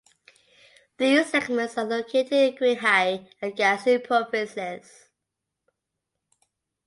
These segments are located in Qinghai and Gansu provinces.